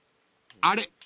［あれ？